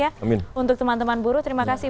ya untuk teman teman buruh terima kasih